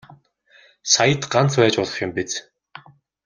Саяд ганц байж болох юм биз.